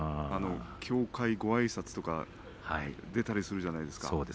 協会ごあいさつとか出たりするんじゃないですか。